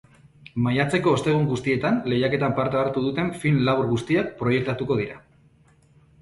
Maiatzeko ostegun guztietan lehiaketan parte hartu duten film labur guztiak proiektatuko dira.